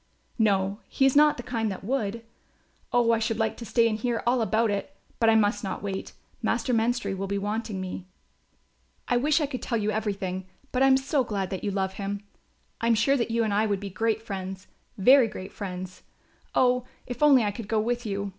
"No, he is not the kind that would. Oh, I should like to stay and hear all about it! But I must not wait, Master Menstrie will be wanting me." "I wish I could tell you everything; but I am so glad that you love him. I am sure that you and I would be great friends, very great friends; oh, if only I could go with you!